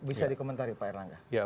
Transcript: bisa dikomentari pak erlangga